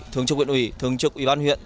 thường trực huyện ủy thường trực ủy ban huyện